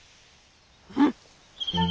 うん！？